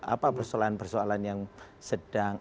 apa persoalan persoalan yang sedang